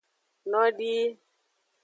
Nodii.